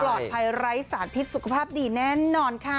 ไร้สารพิษสุขภาพดีแน่นอนค่ะ